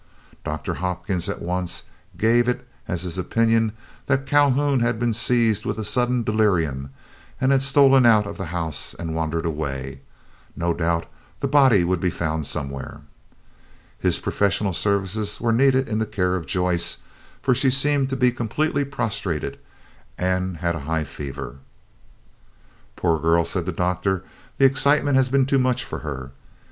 Doctor Hopkins at once gave it as his opinion that Calhoun had been seized with a sudden delirium and had stolen out of the house and wandered away; no doubt the body would be found somewhere. His professional services were needed in the care of Joyce, for she seemed to be completely prostrated, and had a high fever. "Poor girl," said the Doctor, "the excitement has been too much for her."